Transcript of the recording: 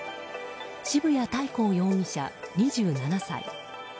渋谷大皇容疑者、２７歳。